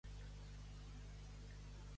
L'escuma de la societat.